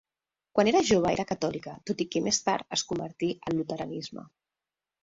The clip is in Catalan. Quan era jove era catòlica, tot i que més tard es convertí al luteranisme.